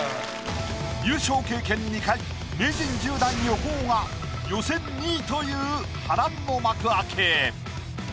優勝経験２回名人１０段横尾が予選２位という波乱の幕開け。